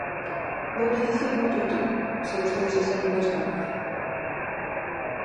Voullo dicir noutro ton, se vostede se sente máis cómoda.